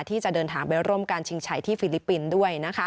ที่จะเดินทางไปร่วมการชิงชัยที่ฟิลิปปินส์ด้วย